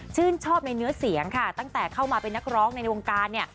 ชอบในเนื้อเสียงค่ะตั้งแต่เข้ามาเป็นนักร้องในวงการเนี่ย